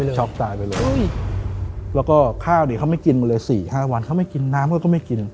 แล้วก็ข้าวเขาไม่กินเลย๔๕วันเขาไม่กินน้ำก็ไม่กิน